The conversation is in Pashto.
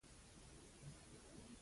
هیواد مې د خوږو یادونو ټاټوبی دی